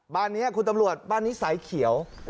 บ้านนี้คุณตำรวจบ้านนี้สายเขียว